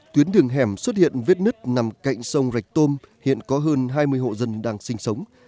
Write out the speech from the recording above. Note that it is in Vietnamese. tuyến đường hẻm xuất hiện vết nứt nằm cạnh sông rạch tôm hiện có hơn hai mươi hộ dân đang sinh sống